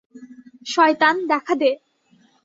শয়তান দেখা দে!